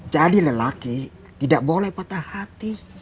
jadi lelaki tidak boleh patah hati